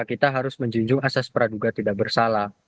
kita harus menjunjung asas peraduga tidak bersalah